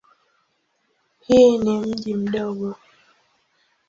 Hii ni mji mdogo.